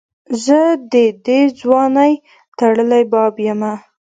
زه دي دځوانۍ ټړلي باب یمه